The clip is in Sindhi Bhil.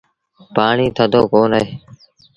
پآڻي ٿڌو ڪونا اهي۔